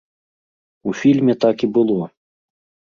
У фільме так і было!